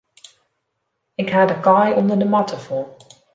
Ik ha de kaai ûnder de matte fûn.